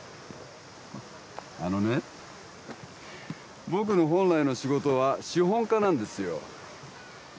あのね僕の本来の仕事は資本家なんですよ